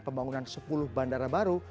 pembangunan sepuluh bandara baru